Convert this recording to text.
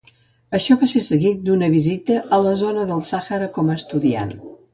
Això va ser seguit d'una visita a la zona del Sàhara com a estudiant.